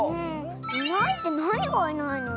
いないってなにがいないの？